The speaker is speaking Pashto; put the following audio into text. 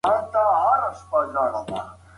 ځوابونه ورو راځي.